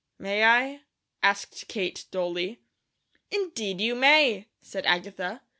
"May I?" asked Kate, dully. "Indeed, you may!" said Agatha.